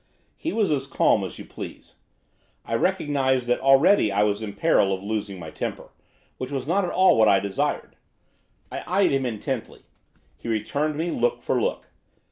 He was as calm as you please. I recognised that already I was in peril of losing my temper, which was not at all what I desired. I eyed him intently, he returning me look for look.